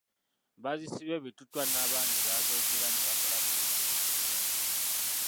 Bazisiba ebituttwa n’abandi bazokya era ne bakolamu emisono egy’enjwulo.